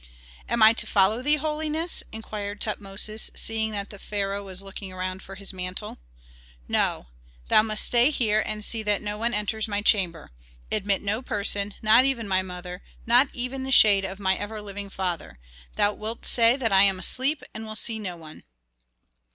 "Am I to follow thee, holiness?" inquired Tutmosis, seeing that the pharaoh was looking around for his mantle. "No; thou must stay here and see that no one enters my chamber. Admit no person, not even my mother, not even the shade of my ever living father. Thou wilt say that I am asleep and will see no one."